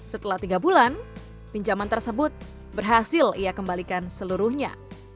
setelah tiga bulan pinjaman tersebut berhasil ia kembalikan seluruhnya